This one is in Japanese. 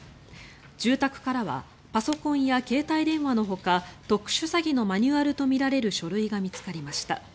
住宅からはパソコンや携帯電話のほか特殊詐欺のマニュアルとみられる書類が見つかりました。